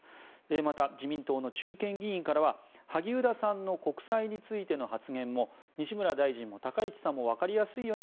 また、自民党の中堅議員からは萩生田さんの国債についての発言も西村大臣も高市さんもわかりやすいよね